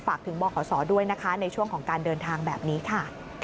ฝากถึงบขศด้วยนะคะในช่วงของการเดินทางแบบนี้ค่ะ